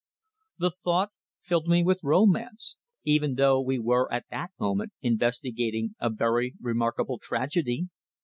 The thought filled me with romance, even though we were at that moment investigating a very remarkable tragedy.